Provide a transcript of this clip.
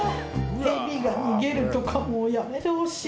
ヘビが逃げるとかもうやめてほしい。